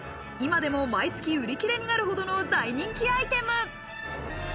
今でも毎月売り切れになるほどの大人気アイテム。